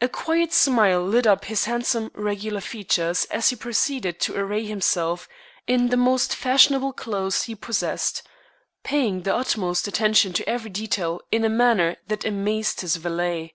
A quiet smile lit up his handsome, regular features as he proceeded to array himself in the most fashionable clothes he possessed, paying the utmost attention to every detail in a manner that amazed his valet.